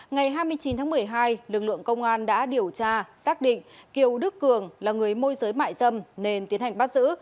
ngày hai mươi chín tháng một mươi hai lực lượng công an đã điều tra xác định kiều đức cường là người môi giới mại dâm nên tiến hành bắt giữ